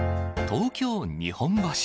東京・日本橋。